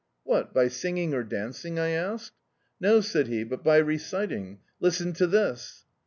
"What, by singing or dancing?" I asked. "No," said he, "but by reciting. Listen to this."